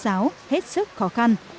thầy cô giáo hết sức khó khăn